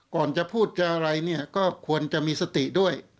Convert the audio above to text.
ก่อนจะพูดอะไรก็ควรจะมีสติด้วย